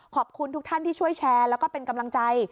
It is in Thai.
ขอบคุณทุกท่านที่ช่วยแชร์แล้วก็เป็นกำลังใจ